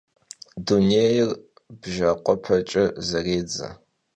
Dunêyr bjakhuepeç'e zerêdze.